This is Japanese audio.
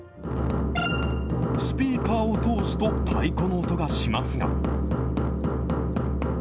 スピーカーを通すと太鼓の音がしますが。